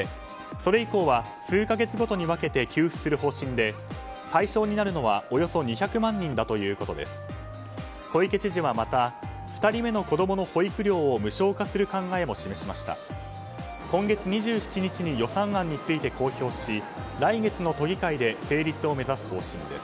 それ以降は数か月ごとに分けて給付する方針で対象になるのはおよそ２００万人だということです。